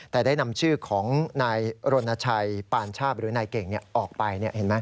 แต่ได้นำชื่อของนายรุณชัยปานชาปและนายเก่งออกไป